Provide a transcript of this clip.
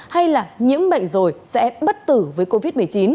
hay là nhiễm bệnh rồi sẽ bất tử với covid một mươi chín